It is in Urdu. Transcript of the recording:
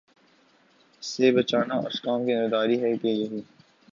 سے بچانا اس قوم کی ذمہ داری ہے کہ یہی